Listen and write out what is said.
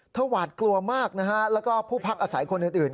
หวาดกลัวมากนะฮะแล้วก็ผู้พักอาศัยคนอื่น